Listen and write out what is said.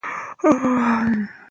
زه سياست د سره د زړه نه مينه لرم.